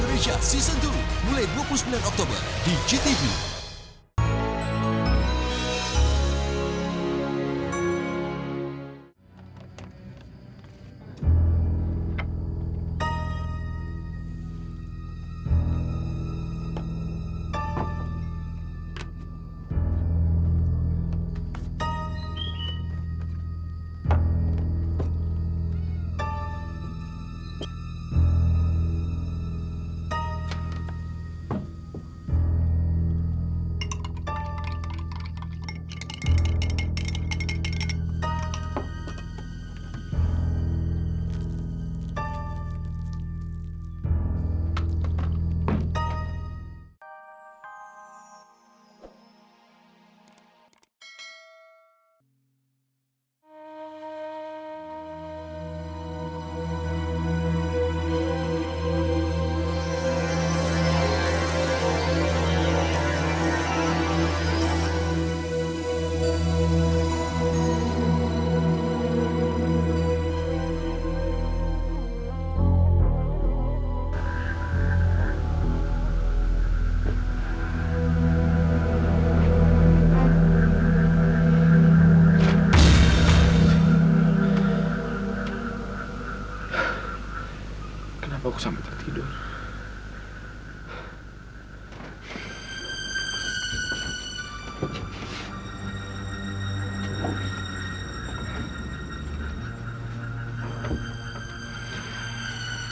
esports star indonesia season dua mulai dua puluh sembilan oktober di gtv